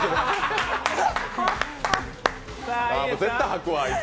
絶対吐くわ、あいつ。